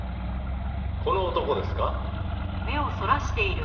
この男ですか？